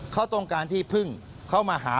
เขาต้องการที่พึ่งเขามาหา